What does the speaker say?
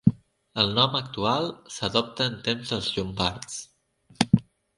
El nom actual s'adoptà en temps dels llombards.